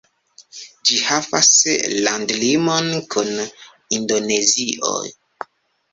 Ĝi havas landlimon kun Indonezio.